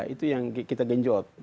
itu yang kita genjot